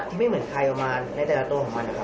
ไม่เหมือนใครเอามาในแต่ละตัวของมันนะครับ